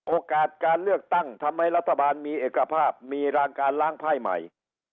โอกาสการเลือกตั้งทำให้รัฐบาลมีเอกภาพมีรางการล้างไพ่ใหม่